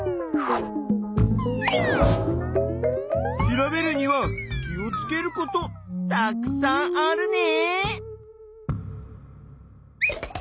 調べるには気をつけることたくさんあるね！